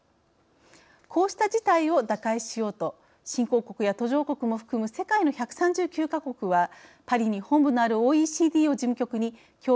こうした事態を打開しようと新興国や途上国も含む世界の１３９か国はパリに本部のあるＯＥＣＤを事務局に協議を重ねてきました。